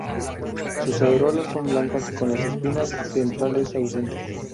Sus areola son blancas, con las espinas centrales ausentes.